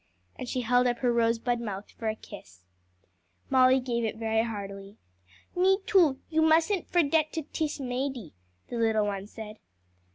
And she held up her rosebud mouth for a kiss. Molly gave it very heartily. "Me, too you mustn't fordet to tiss Madie," the little one said.